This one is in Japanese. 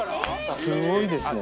すごいですね。